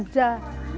ibu cuma mendoakan aja